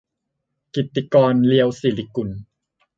กิตติกร เลียวศิริกุล